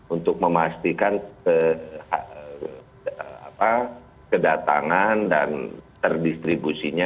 untuk memastikan kedatangan dan terdistribusinya